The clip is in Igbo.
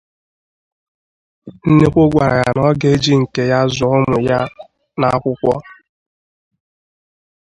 Nnekwu gwara ya na ọ ga-eji nke ya zụọ ụmụ ya n’akwụkwọ.